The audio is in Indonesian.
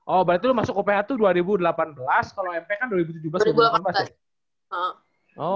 oh berarti lu masuk oph itu dua ribu delapan belas kalau mp kan dua ribu tujuh belas dua ribu delapan belas ya